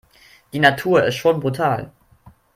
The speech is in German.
Die Natur ist schon brutal.